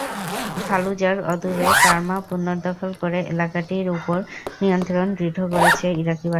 ফালুজার অদূরে কারমা পুনর্দখল করে এলাকাটির ওপর নিয়ন্ত্রণ দৃঢ় করেছে ইরাকি বাহিনী।